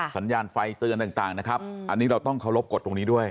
สัญญาณไฟเตือนต่างนะครับอันนี้เราต้องเคารพกฎตรงนี้ด้วย